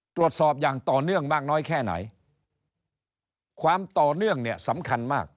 ตรวจสอบอย่างต่อเนื่องมากน้อยแค่ไหนความต่อเนื่องเนี่ยสำคัญมาก